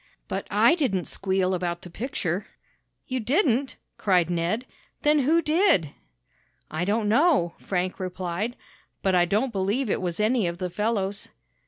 But I didn't squeal about the picture!" "You didn't?" cried Ned. "Then who did?" "I don't know," Frank replied, "but I don't believe it was any of the fellows."